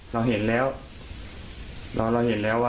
เราเห็นแล้ว